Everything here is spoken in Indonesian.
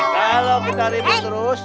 kalo kita ribut terus